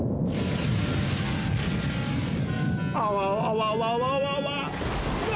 あわわわわわわわな